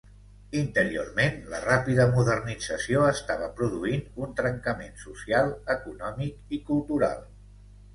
Interiorment la ràpida modernització estava produint un trencament social, econòmic i cultural.